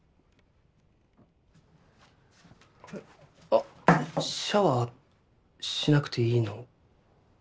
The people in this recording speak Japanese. あっシャワーしなくていいの？